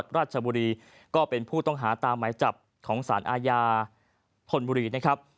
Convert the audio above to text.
ราชบุรีก็เป็นผู้ต้องหาตามหมายจับของสารอาญาธนบุรีนะครับ